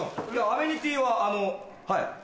アメニティーはあのはい。